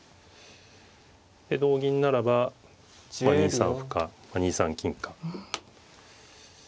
で同銀ならば２三歩か２三金か。